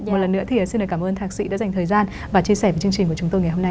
một lần nữa thì xin cảm ơn thạc sĩ đã dành thời gian và chia sẻ với chương trình của chúng tôi ngày hôm nay